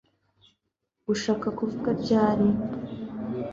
Ushaka kuvuga ryari